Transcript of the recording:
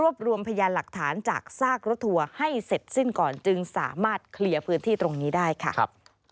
รวมรวมพยานหลักฐานจากซากรถทัวร์ให้เสร็จสิ้นก่อนจึงสามารถเคลียร์พื้นที่ตรงนี้ได้ค่ะ